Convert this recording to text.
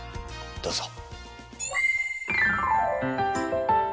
どうぞ。